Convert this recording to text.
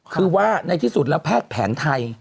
คือว่าในที่สุดแล้วแพทย์แผนไทย